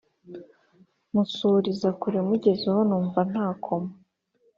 musuhuriza kure mugezeho numva ntakoma